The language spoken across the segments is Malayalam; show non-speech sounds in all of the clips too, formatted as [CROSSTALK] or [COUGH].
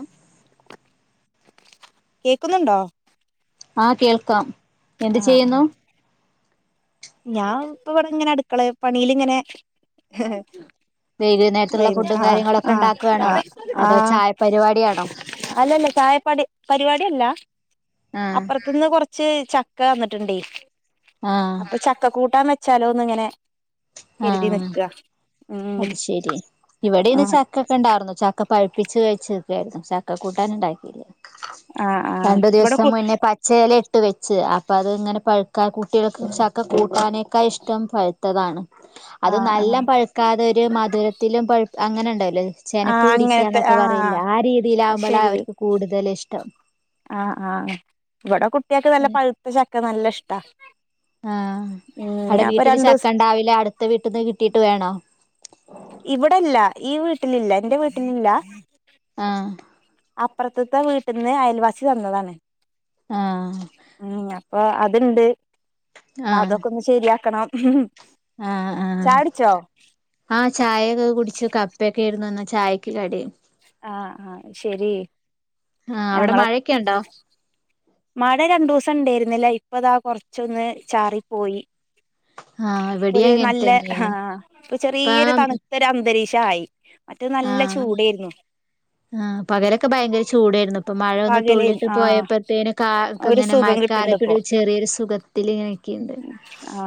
അം കേക്കുന്നുണ്ടോ ആ കേൾക്കാം എന്ത്‌ ആഹ് ചെയ്യുന്നു ആഹ് ഞാൻ ഇപ്പ ഇവിടെ ഇങ്ങനെ അടുക്കള പണിൽ ഇങ്ങനെ വൈകുന്നേരത്തുള്ള ലൈൻ ഫുഡും ആആ കാര്യങ്ങളൊക്കെ ആ ഉണ്ടാക്കുകയാണോ ആ അതോ ചായ പരിപാടിയാണോ അല്ലല്ല ചായപ്പാടി പരിപാടല്ല ആഹ് അപ്പുറത്തന്ന് കൊറച്ച് കുറച്ച് ചക്ക തന്നിട്ടുണ്ട് ആഹ് അപ്പൊ ചക്കക്കൂട്ടാൻ വെച്ചാലോ ഒന്ന് ഇങ്ങനെ എരുതി ആഹ് കരുതി വെക്ക അത് ശരിയ ഇവിടെന്ന് ചക്ക ഒക്കെ ഉണ്ടായിരുന്നു ചക്ക പഴിപ്പിച്ച് കഴിച്ച് നിൽക്കുകയായിരുന്നു ചക്ക കൂട്ടാന ഉണ്ടാക്കിയില്ലേ ആഹ് ആഹ് രണ്ടു ഇവിടെ ദിവസം കു മുന്നേ പച്ചല ഇട്ട് വെ ച്ച് അപ്പം അത് ഇങ്ങനെ പഴുക്കാ കുട്ടികൾക്ക് ചൊക്കെ കൂട്ടാനേക്കാ ഇഷ്ടം പഴുത്തതാണ് അത് ആഹ് നല്ല ആഹ് പഴുക്കാതെ ഒരു മധുരത്തിലും പ അങ്ങനെ ഉണ്ടാവല്ലോ ആഹ് ചെനപ്പ് അങ്ങനത്തെ പിടിക്കാന്നൊക്കെ ആഹ് പറയിൺല്ലേ ആ രീതിയിലാവുമ്പോളാ അവർക്ക് കൂടുതൽ ഇഷ്ടം ആ ആ ഇവിടെ കുട്ട്യാക്ക് നല്ല പഴുത്ത ചക്ക നല്ല ഇഷ്ടാ ആ ഉം അവിടെ ഞാപ്പൊ വീട്ടില് രണ്ടു ചക്ക ദിവസം ണ്ടാവില്ല അടുത്ത വീട്ടിൽന്ന് കിട്ടീട്ട് വേണോ ഇവിടെല്ല ഈ വീട്ടിലില്ല എന്റെ വീട്ടിലില്ല ആ അപ്രത്ത്ത്തെ വീട്ട്ന്ന് അയൽവാസി തന്നതാണ് ആ ഉം അപ്പൊ അത്ണ്ട് അതൊക്കൊന്ന് ശെരിയാക്കണം ആ ആ ആ ചായക്കെ കുടിച്ചു കപ്പ ക്കേരുന്നു ചായക്ക് കടി ആ ആ ശെരി ആ അവിടെ മഴൊക്കെ ണ്ടോ മഴ രണ്ടു ദിവസം ണ്ടേര്ന്നില്ല ഇപ്പോ താ കൊറച്ചൊന്ന് ചാറിപ്പോയി ആഹ് ഇവിടെയും ഇപ്പോര് അങ്ങനെ നല്ല ആ തന്നെയാണ് ഇപ്പ ചെറിയൊരു തണുത്തൊരു അന്തരീക്ഷം ആയി മറ്റേ നല്ല ചൂടേര്ന്നു ആ പകലൊക്കെ ഭയങ്കര ചൂടേര്ന്നു ഇപ്പൊ മഴൊന്ന് പകല് തുള്ളിട്ട് ആഹ് പോയപ്പോഴത്തേനും കാ ഒരു ഇങ്ങനെ സുഖം കിട്ട്ണ്ട് [UNINTELLIGIBLE] ഇപ്പോ ഒരു ചെറിയൊരു സുഖത്തിൽ ങ്ങനെക്ക്‌ണ്ട്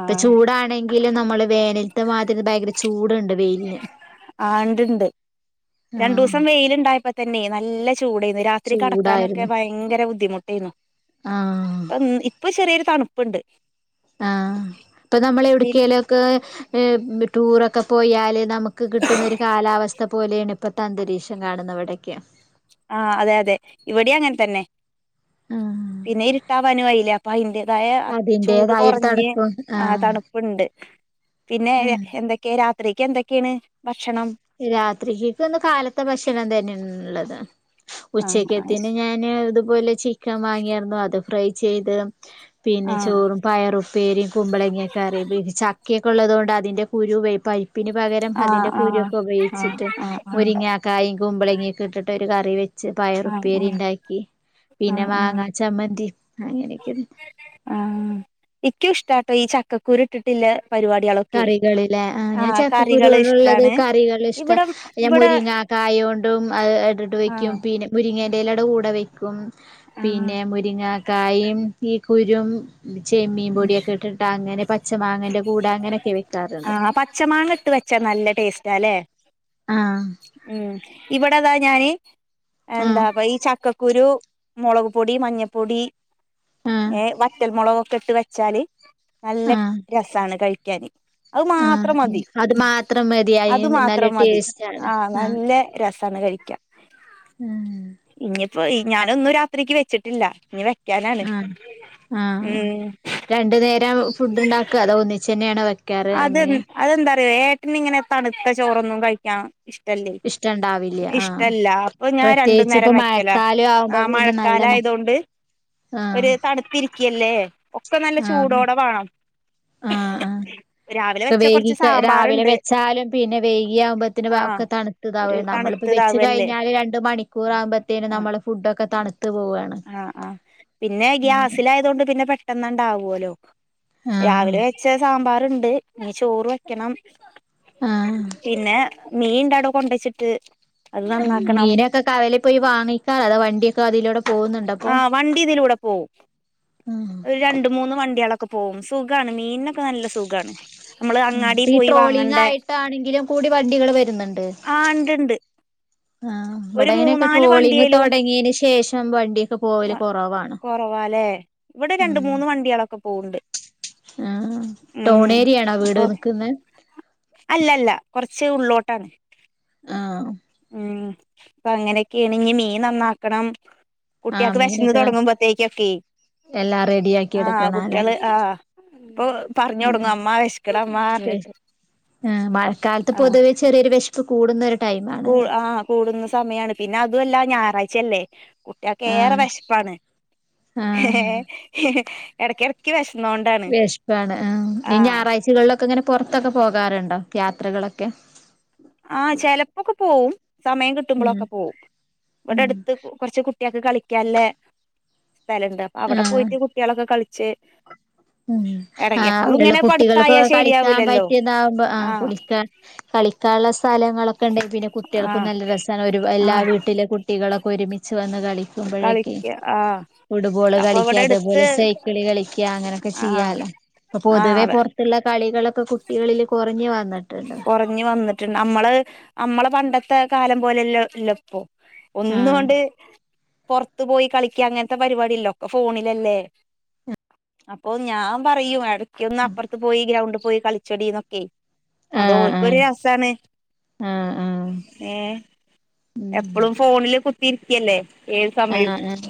ഇപ്പൊ ചൂടാണെങ്കിലും നമ്മള് വേനൽത്ത് മാതിരി ഭയങ്കര ചൂട്ണ്ട് ആ ണ്ട്ണ്ട് ആഹ് രണ്ടുസം വെയില്ണ്ടായപ്പോ തന്നെ നല്ല ചൂടേന്ന് രാത്രി ചൂടായിരുന്നു കെടക്കാനൊക്കെ ഭയങ്കര ബുദ്ധിമുട്ടേയ്ന്നു ആഹ് ഇപ്പം ഇപ്പൊ ചെറിയൊരു തണ്പ്പ്ണ്ട് ആ ഇപ്പൊ നമ്മള് എവിടെക്കേലൊക്കെ ഏ ടൂറൊക്കെ പോയാല് നമുക്ക് കിട്ടുന്ന ഒരു കാലാവസ്ഥ പോലെയാണ് ഇപ്പത്തെ അന്തരീക്ഷം കാണുന്നത് ഇവടൊക്കെ ആഹ് അതെ അതെ ഇവിടെയും അങ്ങനെ തന്നെ ആഹ് അതായ ചൂട് അതിന്റേതായൊരു കൊറഞ്ഞ് തണുപ്പും ആ ആഹ് തണ്പ്പ്ണ്ട് പിന്നെ എന്തൊക്കെയ രാത്രിക്ക് എന്തൊക്കെണ് രാത്രിക്കേക്ക് ഒന്ന് കാലത്തെ ഭക്ഷണം തന്നെയാണ് ള്ളത് ആഹ് ഉച്ചക്കത്തിന് ഞാന് ഇതുപോലെ ചിക്കൻ വാങ്ങിയാർന്നു അത് ഫ്രൈ ചെയ്ത് പിന്നെ ആഹ് ചോറും പയറുപ്പേരിയും കുമ്പളങ്ങ കറിയും ചക്കയൊക്കെ ള്ളതോണ്ട് അതിന്റെ കുരുവേ പരിപ്പിന് പകരം ആഹ് അതിന്റെ ആഹ് കുരു ഒക്കെ ആഹ് ഉപയോഗിച്ചിട്ട് ആഹ് ആഹ് ആഹ് മുരിങ്ങ കായും കുമ്പളങ്ങയൊക്കെട്ട്ട്ട് ഒരു കറി വെ ച്ച് ആഹ് പയറുപ്പേരി ആഹ് ണ്ടാക്കി പിന്നെ ആഹ് ആഹ് മാങ്ങാ ചമ്മന്തി അങ്ങനെയൊക്കെണ് ട്ടോ ഈ ചക്കക്കുരു ഇട്ടിട്ടില്ലെ കറികളില് ലെ ആ ഞാൻ ചക്കക്കുരു കറികള് കൊണ്ടുള്ളത് ഇഷ്ടാണ് കറികൾ ഇഷ്ടം ഇവിടെ ആ ഞാൻ ഇവിടെ മുരിങ്ങ കായ കൊണ്ടും അത് ഇട്ടിട്ട് വെയ്ക്കും ആഹ് പിന്നെ മുരിങ്ങേന്റെലേടെ കൂടെ വെയ് ക്കും ആഹ് പിന്നെ മുരിങ്ങക്കായും ഈ കുരും ചെമ്മീൻ പൊടിയൊക്കെ ഇട്ടിട്ട് അങ്ങനെ പച്ച മാങ്ങന്റെ കൂടെ അങ്ങനെ ആ പച്ച മാങ്ങ ഇട്ട് വെച്ചാ നല്ല ടേസ്റ്റ ല്ലേ ആ ഇവിടെതാ ഞാന് ആഹ് എന്താ ഈ ചക്ക കുരു മൊളക് പൊടി മഞ്ഞപ്പൊടി ആഹ് ഏ വറ്റൽ മൊളകൊക്കെ ഇട്ട് വെച്ചാല് നല്ല ആഹ് രസാണ് കഴിക്കാന് അത് ആഹ് മാത്രം ഉം മതി അത് മാത്രം മതിയായി അത് നല്ല മാത്രം മതി ടേസ്റ്റ് ആണ് ആ നല്ല രസാണ് കഴിക്കാൻ ഉം അപ്പൊ ഈ ഞാനൊന്നും രാത്രിക്ക് വെച്ചിട്ടില്ല ഞ്ഞി വെ ആ ആ ആ രണ്ടു നേരം ഫുഡ് ണ്ടാക്ക അതോ ഒന്നിച്ചെന്നെണോ വെക്കാറ് എങ്ങനെയ ന്ന്ങ്ങനെ തണുത്ത ചോറൊന്നും കഴിക്കാ ഇഷ്ടല്ലേ ഇഷ്ടണ്ടാവില്ല ആഹ് ഇഷ്ടല്ല അപ്പൊ ഞാൻ രണ്ടു പ്രത്യേകിച്ച് ഇപ്പ നേരം വെക്കല മഴക്കാലം ആ ആവുമ്പോ മഴക്കാല മഴ പിന്നെ നല്ല കാല മ ആയതൊണ്ട് ആഹ് ഒരു തണുത്തിരിക്കില്ലേ ഒക്കെ നല്ല ചൂടോടെ വേണം ആ ആ രാവിലെ ഒ വെച്ച കുറച്ച് വേഗിക്ക് രാവിലെ സാമ്പാറുണ്ട് വെച്ചാലും പിന്നെ വേഗിയ ആകുമ്പോത്തിന് ആഹ് ഒക്കെ ഒരു തണുതാവും നമ്മളിപ്പോ തണുത്തതാവല്ലേ വെച്ച്കഴിഞ്ഞാ രണ്ട് മണിക്കൂർ ആകുമ്പോഴത്തേും നമ്മളള് ഫുഡ് ഒക്കെ തണു പോകും ആഹ ആഹ പിന്നെ ഗ്യാസിലായതുകൊണ്ട് പിന്നെ പെട്ടെന്ന് അവല്ലോ രാവിലെ വെച്ച സാമ്പാറുണ്ട് ഇഞ്ഞ്ചോറ് വെക്കണം ആഹ് പിന്നെ മീൻ ഇണ്ടടോ കൊണ്ടച്ചിട്ട് അത് ആ നന്നാക്കണം മീനൊക്കെ കവലിപോയി വാങ്ങിടാഅത വണ്ടിയൊക്കെ അതിലൂടെ പോകുന്നുണ്ടോ അപ്പൊ ആ വണ്ടി ഇതിലൂടെ പോവും ആഹ് ഒരു രണ്ട മൂന്ന് വണ്ടി ഒളക്കെ പോവും സുഖമാണ് മീനിനൊക്കെ നല്ല സുഖമാണ് നമ്മള് ആഹ് അങ്ങാടി ഈ പോയി ട്രോളിങ് വാങ്ങണ്ടേ ആയിട്ടാണെങ്കിലും കൂടി വണ്ടികള് വരുന്നുണ്ട് ആഹ ഇണ്ട് ഇണ്ട് ആ ഇവിടെ ഒരു അങ്ങനൊക്കെ മൂന്നാല് ട്രോളിങ്ങ് വണ്ടിയേലും തുടങ്ങിയതിനന് ശേഷം വണ്ടിയൊക്കെ പോവല് കൊറവാണ് കൊറവാലേ ഇവിടെ രണ്ട മൂന്ന് വണ്ടികളൊക്കെ പോവണ്ട് ആഹ ടൗൺ ഏരിയയാണോ വീട് നിക്കുന്ന അല്ല അല്ല കുറച്ച് ഉള്ളോട്ടാണ് ആഹ് ഉം അപ്പൊ അങ്ങനെയൊക്കെയ ആണ്‌മീൻ നന്നാക്കണം ആഹ് കുട്ടികൾക്ക് വിശന്ന് മീനൊക്കെ തുടങ്ങുമ്പോത്തേക്കൊക്കെ എല്ലാം റെഡിയാക്കി ആഹ് എടുക്കണല്ലേ കുട്ടികള് ആഹ ഇപ്പൊ പറഞ്ഞ കൊടുങ്ങും അമ്മ വേശക്ക്ണ് അമ്മ പറഞ്ഞിട്ട് ആ മഴക്കാലത്ത് ആഹ് പൊതുവെ ചെറിയൊരു വിശപ്പ് കൂടുന്നൊ കൂ ആഹ് കൂടുന്ന സമയാണ് പിന്നെ അതുമല്ല ഞായറാഴ്ചയല്ലേ കുട്ടികൾക്ക് ഏറെ ആഹ് വിശപ്പാണ് ഏ ആഹ് ഇടക്കിടക്ക് വിശ വിശപാണ് ഇനി ഞായറാഴ്ചകളിലൊക്കെ ഇങ്ങനെ പുറത്തൊക്കെ പോകാറുണ്ടോ യാത്രകളൊക്കെ ആഹ ചെലപ്പോൊക്കെ പോവും സമയം ഉം കിട്ടുമ്പോളൊക്കെ പോവും ഇവിടെ ഉം അടുത്ത് കുറച്ച് കുട്ടി ഒള്ക്ക് കളിക്കാനുള്ള സ്ഥലുണ്ട് അപ്പൊ അവിടെ പോയിട്ട് കുട്ടികളൊക്കെ കളിച്ച് ഉ എട ആ എപ്പളും അവിടെള്ള ഇങ്ങനെ കുട്ടികൾക്ക് പടുത്തായാ കളിക്കാൻ ശരിയാവൂലല്ലോ പറ്റിയതാവുമ്പോ ആ ആഹ് കളിക്കാ കള കളിക്കണ്ടസ്ഥലങ്ങളൊക്കെ ഉണ്ടെങ്കിൽ പിന്നെ കുട്ടികൾക്കും ആഹ് നല്ല രസമാണ് ഒരു എല്ലാ ആഹ് വീട്ടിലെ കുട്ടികളൊക്കെ ഒരുമിച്ച് വന്ന് കളിക്കുമ്പോഴൊക്കെ കളിക്ക ആഹ് ഫുട്ബോൾ അപ്പൊ കളിക്ക ഇവിടെ അതേപോലെ എടുത്ത് സൈക്കിള് കളിക്ക അങ്ങനെഒക്കെ ആഹ് ചിയാലോപൊതുവെ പുറത്തുള്ള കളികളൊ കൊറഞ്ഞു വന്നിട്ടുണ്ട് നമ്മള് നമ്മള പണ്ടത്തെ കാലം പോലെല്ലല്ല ഇപ്പോൊ ആഹ് ഒന്നുകൊണ്ട് പുറത്ത് പോയി കളിക്ക അങ്ങനത്തെ പരിപാടില്ലോക്കെ ഫോണിലല്ലേ അപ്പൊ ഞാൻ പറയ ഇടക്കൊന്ന് അപ്പുറത്ത് പോയി ഗ്രൗണ്ട് പോയി കളിച്ചോടിന്നൊക്കെ അതോ ആഹ് ല് ക്കരു ആഹ് രസാണ് ആഹ് ആഹ് ഏ ഉം എപ്പഴും ഫോണില് കുതി കുത്തിരിക്കല്ലേ ഏത് സമയവും ആഹ് ആഹ്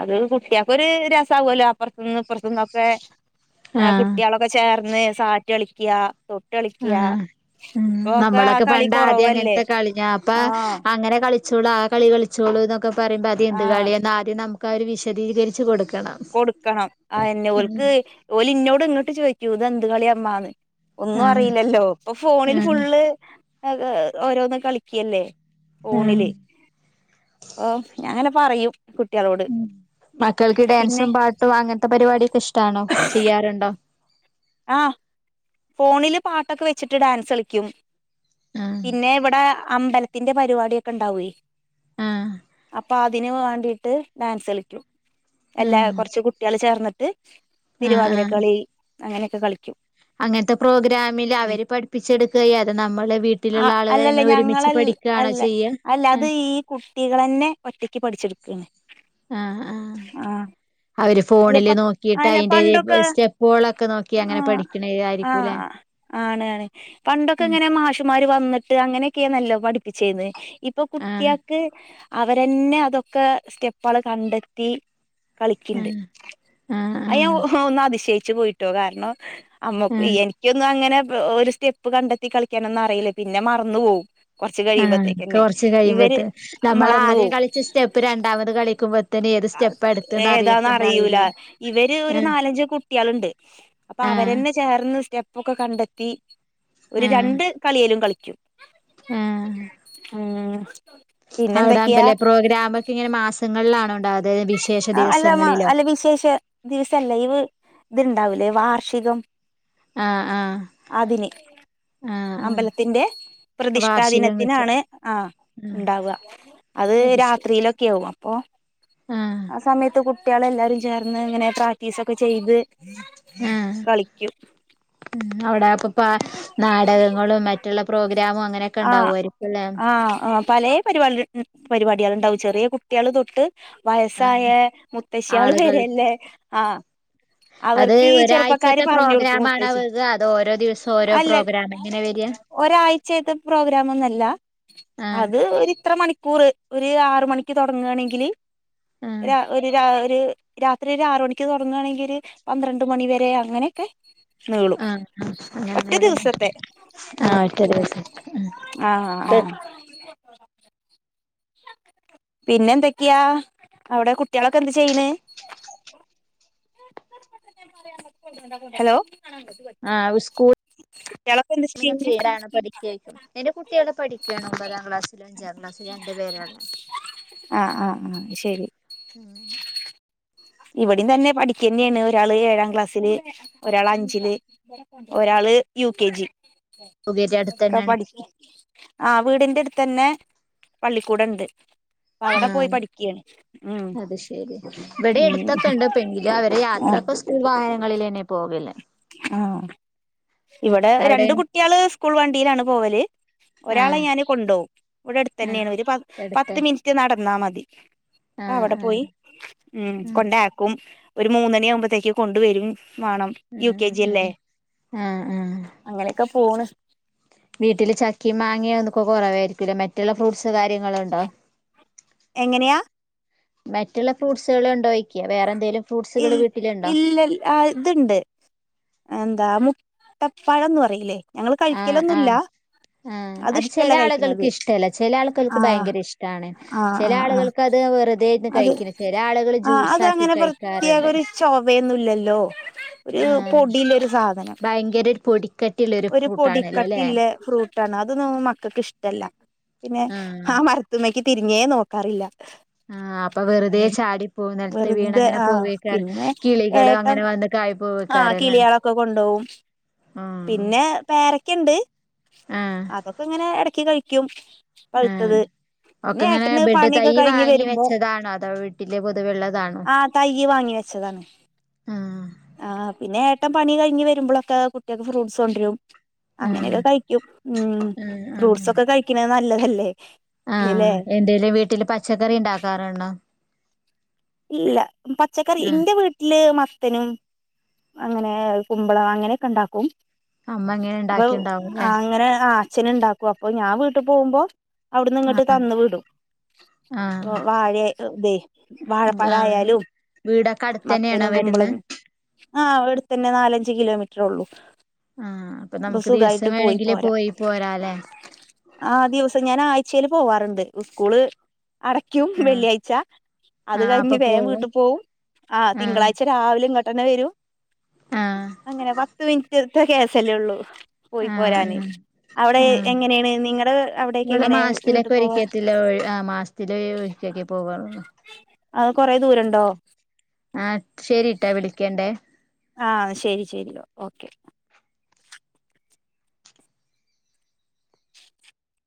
അത് കുട്ടിയക്കൊ ഒരു രസകുമല്ലോ അപ്പറത്തുനിന്ന് ഇപ്പുറത്തു നിന്നൊക്കെ ആഹ് കുട്ടികളൊക്കെ ചേർന്ന് സാറ്റ് കളിക്കുക തൊട്ട് കളിക്കാ ആഹ് ഉം നമ്മളൊക്കെ പണ്ട്ആദ്യം അങ്ങനത്തെക്കെ കളിഞ്ഞ അപ്പ ആഹ് അങ്ങനെ കളി കച്ചിച്ചോളൂ ആ കളി കളിച്ചോള എന്നൊക്കെ പറയ്പോൾ അത്ം എന്ത് ആഹ് കളി എന്ന ആദ്യം നമുക്ക് അവ വിശദീകരിച്ച് കൊടുക്കണം കൊടുക്കണം ആ എന്നെ ഉം ഓൾക്ക് ഓല്ഇന്നോട് ഇങ്ങോട്ട് ചോദിക്കൂ ഇത് എന്ത് കളി ഇമ്മാന്ന് ഒന്നും ആഹ് അറിയില്ലല്ലോ ഇപ്പൊ ഫോണിൽ ആഹ് ഫുള്ള് ഓരോന്ന് കളിക്കല്ലേ ഫോണില് ആഹ് അ ഞങ്ങനെ പറയും കുട്ടികളോട് ഉം മക്കൾക്ക് ഡാൻസും പാട്ടും അങ്ങനത്തെ പരിപാടിയൊക്കെ ഇഷ്ടമാണോ ചെയ്യാറുണ്ടോ ആ ഫോണില് പാട്ടൊക്കെ വെച്ചിട്ട് ഡാൻസ് കളിക്കും ആഹ് പിന്നെ ഇവിടെ അമ്പലത്തിന്റെ പരിപാടൊക്കെ ഉണ്ടാവു ആഹ് അപ്പൊ അതിന് വേണ്ടിയിട്ട് ഡാൻസ് കളിക്കും എല്ലാ ആഹ് കൊറച്ച് കുട്ടികള് ചേർന്നിട്ട്. ആഹ് തിരുവാതിര ആഹ് കളി അങ്ങനെയൊക്കെ കളിക്കും. അങ്ങനത്തെ പ്രോഗ്രാമില് ഉം അവർ പഠിപ്പിച്ചെടുക്ക ചെയ്യാ അതോ നമ്മളെ ആ വീട്ടിലുള്ള അല്ലല്ല ആളുകെ ഞങ്ങള ഒരുമിച്ച് പഠിക്കാണോ അല്ല ചെയ്യാ അല്ല അത് ഈ കുട്ടികളെന്നെ ഒറ്റക്ക് പഠിച്ചെടുക്കാണ്. ആ ഹാ. ആ അവര് അല്ല ഫോണില് നോക്കീട്ട് അല്ല അയിന്റെ പണ്ടൊക്കെ സ്റ്റെപ്പുകളൊക്കെ നോക്കി അങ്ങനെ പഠിക്കണ ആ ആയിരിക്കൂല്ലേ ആണ് ആണ് പണ്ടൊക്കെ ആഹ് ഇങ്ങനെ മാഷുമ്മാര് വന്നിട്ട് അങ്ങനെയൊക്കെന്നെല്ലോ? പഠിപ്പിച്ചേന്നേ ഇപ്പൊ ആഹ് കുട്ടിയാക്ക്. അവരെന്നെ അതൊക്കെ സ്റ്റെപ്പാൾ കണ്ടെത്തി കളിക്ണ്ട് ആഹ് അയ് ഞാൻ ആഹ് ഹൊന്ന് അതിശയി ച്ച് പോയിട്ടോ കാരണം അമ്മക്ക് ആഹ് എനിക്കൊന്നും അങ്ങനെ ഒര് സ്റ്റെപ്പ് കണ്ടെത്തി കളിക്കാനൊന്നും അറീല്ല പിന്നെ മറന്നു പോകും. ആ കൊറച്ച് കഴിയുമ്പത്തെ നമ്മൾ മറന്നു ആദ്യം പോവും കളിച്ച സ്റ്റെപ്പ് രണ്ടാമത് കളിക്കുമ്പോത്ത്ന് അഹ് ക്ക് ഏതാന്ന് അറിയൂല ഇവര് ഒരു ആഹ് നാലഞ്ച് കുട്ടിയാളുണ്ട് അപ്പൊ അവരെ ആഹ് ഇന്ന് ചേർന്ന് സ്റ്റെപ്പൊക്കെ കണ്ടെത്തി ഒരു ആഹ് രണ്ട് കളിയേലും കളിക്കും. ആ [INAUDIBLE] അവട ആമ്പല പ്രോഗ്രാമൊക്കെ ഇങ്ങനെ മാസങ്ങളിലാണോ ഉണ്ടാകുന്നത് വിശേഷ അല്ല ദിവസങ്ങളിലോ? അല്ല വിശേഷ ദിവസല്ല ഇവ് ഇത്ണ്ടാവൂലേ വാർഷികം. ആ ആ അതിന് ആഹ് അമ്പലത്തിന്റെ പ്രതിഷ്ഠാ വാർഷികം വെച്ച് ദിനത്തിനാണ് ആ ആഹ് ഇണ്ടാവാ അത് രാത്രിയിലൊക്കെ ആകും. പ്പോ ആഹ് ആ സമയത്ത് കുട്ടിയാൾ എല്ലാരും ചേർന്ന് ഇങ്ങനെ പ്രാക്റ്റീസൊക്കെ ചെയ്ത് ആഹ. കളിക്കും മം അവിടെ പ്പ പ്പാ ആ ആ അ പലെ പരിപാടിക പരിപാടിയാൾ ഇണ്ടാവും ചെറിയ കുട്ടിയാൾ തൊട്ട് വയസ്സായ ആഹ് മുത്തശ്ശിയാൾ ആളുകൾ വെരേല്ലേ ആ [INAUDIBLE] അത് ഒരാഴ്ചത്തെ പറഞ്ഞു കൊടുക്കും പ്രോഗ്രാമാണ് മുത്തശ്ശി വ്ക അതോ ഓരോ ദിവസം ഓരോ പ്രോഗ്രാംമെന്നേ വേര? ഒരാഴ്ചെയ്ത്തെ പ്രോ പ്രോഗ്രാമൊന്നല്ല ആഹ് അത് ഒര് ഇത്ര മണിക്കൂർ ഒരു ആറ് മണിക്ക് തുടങ്ങാ ണെങ്കില് ആഹ് രാ ഒര് രാ ര് രാത്രി ഒരു ആറ് മണിക്ക് തുടങ്ങുകയാണെങ്കില് പന്ത്രണ്ട് മണി വരെ അങ്ങനെയൊക്കെ. നീളും ആഹ് ആഹ് ഒറ്റെ അങ്ങനെയള്ളത് ദിവസത്തെ ആഹ് മം. ഒറ്റ ദിവസം ആ ഹാ. പിന്നെ എന്തൊക്കെയാ അവിടെ കുട്ടികളൊക്കെ എന്താ ചെയ്യ്ണ്? [INAUDIBLE] ഹെലോ. ആ ഉസ്‌കൂൾ കുട്ടികളൊക്കെ എന്താ ചെയ്യുന്നേ [UNINTELLIGIBLE] പഠികെക്കും എന്റെ കുട്ടിയൊക്കെ പഠിക്കുവയാണ് ഒമ്പതാം ക്ലാസ്സൽ അഞ്ച ആ ആ ആ ശരി. ഇവിടിം തെന്നെ പഠിക്കെന്നെണ് ഒരാള് ഏഴാം ക്ലാസ്സില് ഒരാൾ അഞ്ചില് ഒരാള് ൾ യു കെ ജി സുഖേരി അടുത്ത് തന്നെ ഉണ്ട് ഇപ്പോപടി ആ വീടിന്റെ എട്ത്തെന്നെ പള്ളിക്കൂടണ്ട. അവിടെ പോയി ആഹ് പഠിക്ക്യാണ് ഉം. ടെ ഉം എടുത്തൊക്കെണ്ട് പെങ്കിലും അവര് യാത്രൊക്കെ സ്കൂൾ വാഹനങ്ങളിൽന്നെ പോകല്ലേ. ആ ഇവടെ അവിടെ രണ്ട് കുട്ടികള് സ്കൂൾ വണ്ടിയിലാണ് പോവല്. ഒരാളെ ആഹ് ഞാന് കൊണ്ടുപോവും ഇവിടെ ആഹ് അടുത്തെന്നെയാണ് ഒരു പ എടുത്ത് പത്ത് മിനിറ്റ് നടന്നാൽ മതി. ആഹ് അപ്പവടെ ആഹ് പോയി മം ആഹ് കൊണ്ടായാക്കും. ഒരു മൂന്നണിയ ആകുമ്പഴത്തേക്ക് കൊണ്ട വരും വാണം യു ആഹ് കെ ജി ആഹ് അല്ലേ ആഹ് ആഹ് അങ്ങനെയൊക്കെ പോണ് വീട്ടില് ചക്കി മാങ്ങിയ ഒന്നക്കെ കുറവായിരിക്കൂല്ല മറ്റുള്ള ഫ്രൂട്ട്സ് കാര്യങ്ങളുണ്ടോ എങ്ങനെയാ മറ്റുള്ള ഫ്രൂട്ട്സുകൾ ഉണ്ടോയ്ക്കാ വേറെ എന്തെങ്കലും ഇ ഇല്ല ഇതുണ്ട് എന്താ മു ട്ടപ്പാഴംന്നന്ന് പറയില്ലേ ഞങ്ങള് കഴിക്കലൊന്നു മില്ല ആ അത് ചില ആളുകൾക്ക് ഇഷ്ടമല്ല ചില ആളുകൾക്ക് ആഹ് ഭയങ്കര ഇഷ്ടമാണ് ആഹ് ചില ആഹ് ആഹ് ആളുകൾക്ക് അത് വെറുതന്ന് കഴിക്ക ശരി ആളുകള് ജ്യൂസ ആക്കി കഴിക്ക പ്രത്യാക ഒരു ചെവയൊന്നുംല്ലല്ലോ ഒരു ആഹ് പൊടിയില ഒരു സാധനം ഭയങ്കര ഒരു പൊടിക്കട്ടിള്ളൊരു ഒരു ഫ്രൂട്ടാണല്ലോ ല്ലേ പൊടിക്കട്ടില്ല ഫ്രൂട്ട് ഇഷ്ടാണ് അതൊന്ന മക്കൾക്ക് ഇഷ്ടമല്ല പിന്നെ ആഹ് ആ മരത്തുമ്മക്ക് തിരിഞ്ഞേ നോക്കാറില്ല ആ അപ്പൊ വെറുതെ ചാടി പോക നിലത്ത് വീണ ആ പിന്നെ ഏട്ടം വന്ന് കായി ആ പോവേക്കാരല്ലേ കിളിയളൊക്കെ കൊണ്ടുപോകും ആഹ് പിന്നെ പേരക്കുണ്ട് ആഹ് അതൊക്കെ ഇങ്ങനെ ഇടക്ക് കഴിക്കും പഴുത്തത് ഒക്കെ പിന്നെ ഇങ്ങനെ ഏട്ടന് ബെഡ് തൈ പണിയൊക്കെ കഴിഞ്ഞ് വാങ്ങി വരുമ്പോ വെച്ചതാണോ അതോ വീട്ടില് പൊതുവെുള്ളതാണോ ആ തയ്യ് വാങ്ങി വെച്ചതാണ് ആഹ് ആ പിന്നെ ഒട്ടം പണി കഴിഞ് വരുമ്പോൊക്കെട്ടികൾക്ക് ഫ്രൂട്ടസ് കൊണ്ടരും അങ്ങനെയൊക്കെ ആഹ് കഴിക്കും ഉം ആഹ് ഫ്രൂട്ട്സൊക്കെ കഴിക്കണ നല്ലതല്ലേ ആ ഇല്ലേ എന്തേലും വീട്ടില് പച്ചക്കറി ഉണ്ടാക്കാറുണ്ടോ ഇല്ല പച്ചക്കറി ആഹ് ഇന്റെ വീട്ടില് മത്തനും അങ്ങനെ കുമ്പളം അങ്ങനെയൊക്കെ ഉണ്ടാക്കും അമ്മ ഇങ്ങനെ അപ്പൊ ഇണ്ടാക്കിണ്ടാവുംല്ലേ അങ്ങനെ അച്ഛന ഉണ്ടാക്കും അപ്പൊ ഞാൻ വീട്ടിൽ പോകുമ്പോ അവിടുന്ന് ഇങ്ങോട്ട് തന്ന വിടും ആഹ് വാഴയ ഇതെ വാഴ ആഹ് പഴായാലും വീടൊക്കെ അടുത്തന്നെയാണോ മത്തനും വരുന്നെ കുമ്പളും ആ അടുത്തന്നെ നാലഞ്ച് അഞ്ചു കിലോമീറ്റർ ഉള്ളൂ ആഹ് അപ്പൊ നമുക്ക് ദിവസം സുഖമായിട്ട് പോയി വേണെങ്കില് പോരാ പോരാല്ലേ ആ ദിവസം ഞാൻ ആ ച്ചൽ പോവാറുണ്ട് സ്കൂള് അടക്കും ആഹ് വെള്ളിയാഴ്ച അത് ആഹ് അപ്പൊ കഴിഞ്ഞ് വേഗം പോവും വീട്ടിൽ പോകവും ആ ആഹ് തിങ്കളാഴ്ച രാവിലെുംഘട്ടനെ വരും ആഹ് അങ്ങനെ പത്ത മിനിറ്റ്ത്തെ കേസല്ലേ ഉള്ളു പോയി ആഹ് പോരാന് ആഹ് അവിടെ ആഹ് എങ്ങനെയാണ് നിങ്ങള അവിടേക്ക് ഇവിടെ എങ്ങനെയ വീട്ടു മാസത്തിലൊക്കെ പോവാ ഇടക്കൊക്കെ പോകറോ അത് കൊറേ ദൂരണ്ടോ ആ ശെരിട്ടാ വിളിക്കണ്ടേ ആ ശരി ശരിയ ഓക്കെ